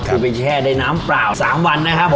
คือไปแช่ได้หน้าตะ๓วันนะครับ